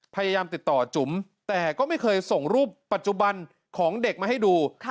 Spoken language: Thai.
พยายามติดต่อจุ๋มแต่ก็ไม่เคยส่งรูปปัจจุบันของเด็กมาให้ดู